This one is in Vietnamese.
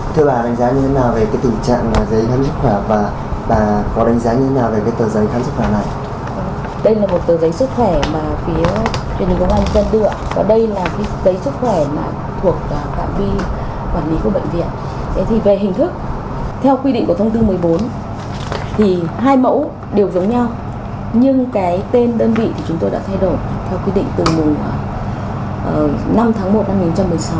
thì hai mẫu đều giống nhau nhưng cái tên đơn vị thì chúng tôi đã thay đổi theo quy định từ mùa năm tháng một năm một nghìn chín trăm một mươi sáu